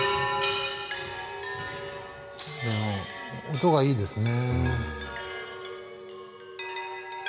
音がいいですね。